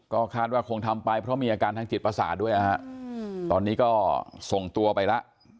ก็คาดว่าคงทำไปเพราะมีอาการทางจิตประสาทด้วยนะฮะตอนนี้ก็ส่งตัวไปแล้ว